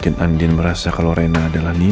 nanti aku mau tanya sama ibu